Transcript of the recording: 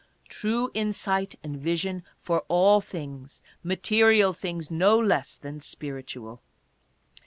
... True insight and vision for all things, material things no less than spiritual.